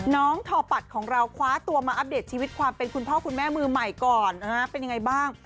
ทอปัดของเราคว้าตัวมาอัปเดตชีวิตความเป็นคุณพ่อคุณแม่มือใหม่ก่อนนะฮะเป็นยังไงบ้าง